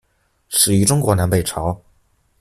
始于中国南北朝。